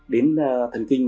đến thần kinh